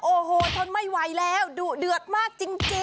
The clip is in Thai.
โอ้โหทนไม่ไหวแล้วดุเดือดมากจริง